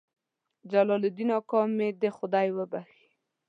جلال الدین کاکا مې دې خدای وبخښي.